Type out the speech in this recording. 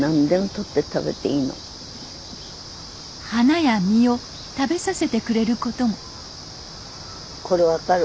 花や実を食べさせてくれることもこれ分かる？